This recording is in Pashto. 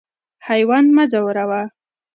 حیوان مه ځوروه.